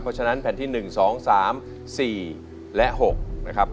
เพราะฉะนั้นแผ่นที่๑๒๓๔และ๖นะครับ